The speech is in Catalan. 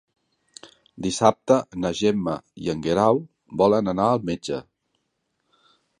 Dissabte na Gemma i en Guerau volen anar al metge.